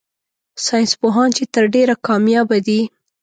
ساينس پوهان چي تر ډېره کاميابه دي